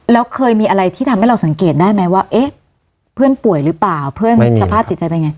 แล้วเคยมีอะไรที่ทำให้เราสังเกตได้ไหมว่าเอ๊ะเพื่อนป่วยหรือเปล่าเพื่อนสภาพจิตใจเป็นไง